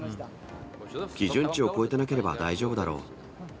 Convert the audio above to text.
基準値を超えてなければ大丈夫だろう。